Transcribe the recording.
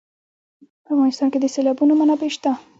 په افغانستان کې د سیلابونه منابع شته.